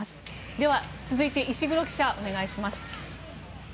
では、続いて石黒記者お願いします。